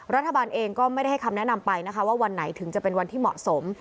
รัฐบาลเองก็ไม่ได้ให้คำแนะนำไปนะคะว่าวันไหนถึงจะเป็นวันที่เหมาะสม